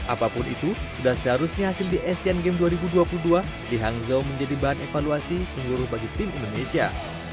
apapun itu sudah seharusnya hasil di asian games dua ribu dua puluh dua di hangzhou menjadi bahan evaluasi menyeluruh bagi tim indonesia